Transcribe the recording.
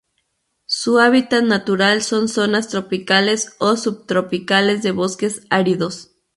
Su hábitat natural son: zonas tropicales o subtropicales, de bosques áridos